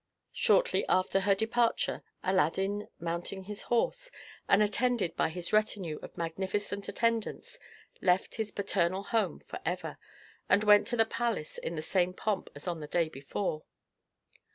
Shortly after her departure Aladdin, mounting his horse, and attended by his retinue of magnificent attendants, left his paternal home forever, and went to the palace in the same pomp as on the day before.